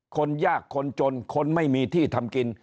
คนยากคนจนคนไม่มีที่ทำกิน